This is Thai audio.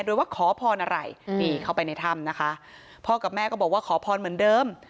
โดยว่าขอพรอะไรนี่เข้าไปในถ้ำนะคะพ่อกับแม่ก็บอกว่าขอพรเหมือนเดิม